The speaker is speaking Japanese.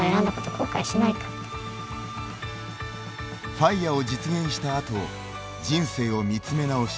ＦＩＲＥを実現したあと人生を見つめ直し